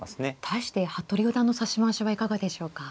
対して服部四段の指し回しはいかがでしょうか。